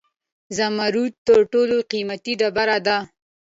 زمرد تر ټولو قیمتي ډبره ده